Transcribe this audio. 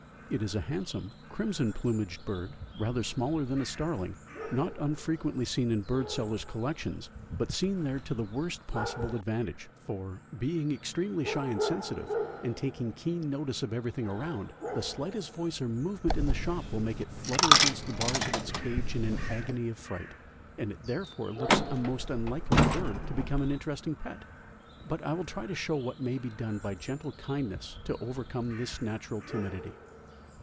It is a handsome, crimson plumaged bird, rather smaller than a starling, not unfrequently seen in bird sellers' collections, but seen there to the worst possible advantage, for, being extremely shy and sensitive, and taking keen notice of everything around, the slightest voice or movement in the shop will make it flutter against the bars of its cage in an agony of fright, and it therefore looks a most unlikely bird to become an interesting pet; but I will try to show what may be done by gentle kindness to overcome this natural timidity.